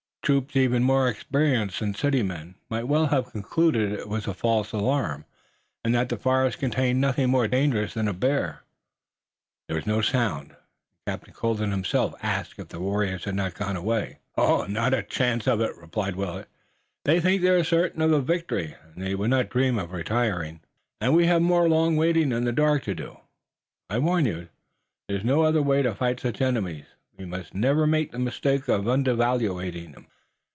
Troops even more experienced than the city men might well have concluded it was a false alarm, and that the forest contained nothing more dangerous than a bear. There was no sound, and Captain Colden himself asked if the warriors had not gone away. "Not a chance of it," replied Willet. "They think they're certain of a victory, and they would not dream of retiring." "And we have more long waiting in the dark to do?" "I warned you. There is no other way to fight such enemies. We must never make the mistake of undervaluing them."